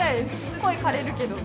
声かれるけど。